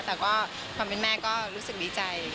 แต่ก็ความเป็นแม่ก็รู้สึกดีใจ